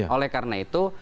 oleh karena itu